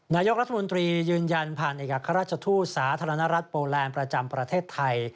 นายกรัฐมนตรียืนยันผ่านเอกราชทูตสาธารณรัฐโปแลนด์ประจำประเทศไทย